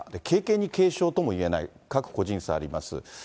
軽々に軽症ともいえない、各個人差あります。